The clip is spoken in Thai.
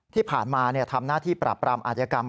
ที่ผ่านมาทำหน้าที่ปราบปรามอาธิกรรม